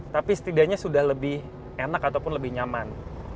tapi setidaknya sudah lebih enak ataupun lebih nyaman